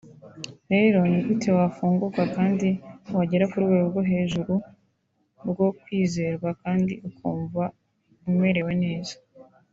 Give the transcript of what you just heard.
rero ni gute wafunguka kandi wagera ku rwego rwo hej uru rwo kwizerwa kandi ukumva umerewe neza